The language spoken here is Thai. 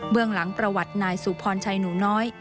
หลังประวัตินายสุพรชัยหนูน้อย